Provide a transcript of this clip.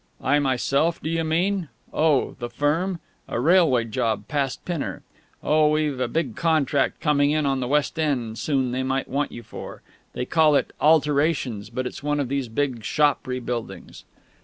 "I myself, do you mean? Oh, the firm. A railway job, past Pinner. But we've a big contract coming on in the West End soon they might want you for. They call it 'alterations,' but it's one of these big shop rebuildings."